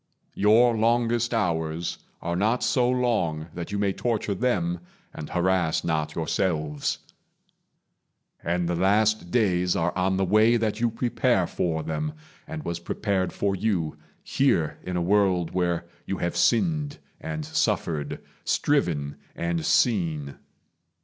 Your longest hours Are not so long that you may torture them And harass not yourselves; and the last days Are on the way that you prepare for them, And was prepared for you, here in a world Where you have sinned and suffered, striven and seen.